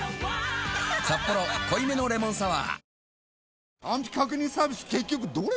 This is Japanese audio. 「サッポロ濃いめのレモンサワー」